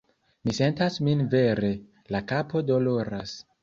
Mi sentas min vere, la kapo doloras